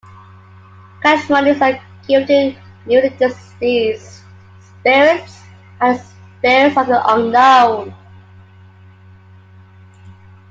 Cash monies are given to newly deceased spirits and spirits of the unknown.